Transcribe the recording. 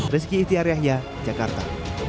rizki iti aryah jakarta